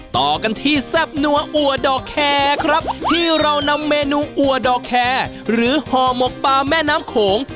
ต่อกันที่แทรฟนัวอัวดรแควะที่เรานำเมนูอัวดรแควะหรือฮอมกปลาแม่น้ำโข่ง